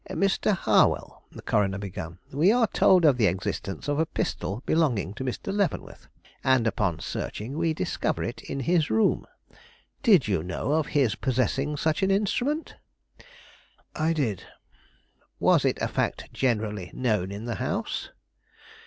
"Mr. Harwell," the coroner began, "we are told of the existence of a pistol belonging to Mr. Leavenworth, and upon searching, we discover it in his room. Did you know of his possessing such an instrument?" "I did." "Was it a fact generally known in the house?"